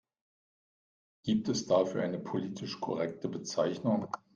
Gibt es dafür eine politisch korrekte Bezeichnung?